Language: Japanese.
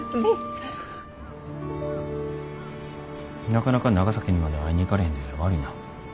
なかなか長崎にまで会いに行かれへんで悪いな。